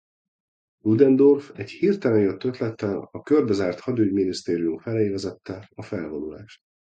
Ludendorff egy hirtelen jött ötlettel a körbezárt hadügyminisztérium felé vezette a felvonulást.